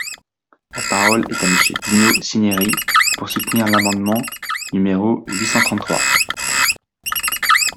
La parole est à Monsieur Dino Cinieri, pour soutenir l’amendement numéro huit cent trente-trois.